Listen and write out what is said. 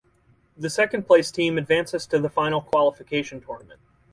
The second place team advances to the Final Qualification Tournament.